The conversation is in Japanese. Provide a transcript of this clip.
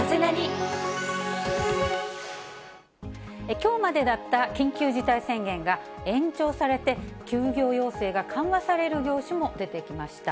きょうまでだった緊急事態宣言が延長されて、休業要請が緩和される業種も出てきました。